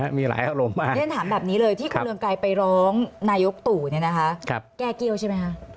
ท่านถามแบบนี้เลยที่คุณเริงกายไปร้องนายกตู่แก้เกี้ยวใช่ไหมคะ